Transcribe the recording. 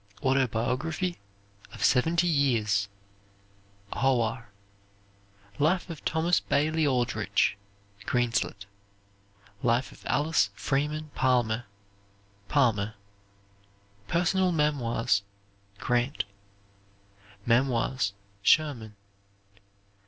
"Autobiography of Seventy Years," Hoar. "Life of Thomas Bailey Aldrich," Greenslet. "Life of Alice Freeman Palmer," Palmer. "Personal Memoirs," Grant. "Memoirs," Sherman.